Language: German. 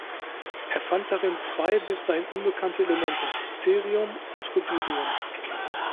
Er fand darin zwei bis dahin unbekannte Elemente: Cäsium und Rubidium.